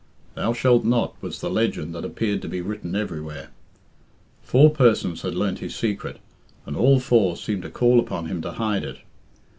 "Thou shalt not" was the legend that appeared to be written everywhere. Four persons had learnt his secret, and all four seemed to call upon him to hide it.